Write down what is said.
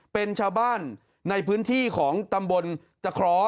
เป็นชาวบ้านในพื้นที่ของตำบลตะคร้อ